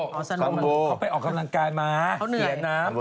เข้าไปออกกำลังกายมาเสียนับ